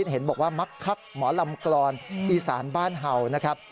หมอลำกรอนอีสานบ้านเห่านะครับ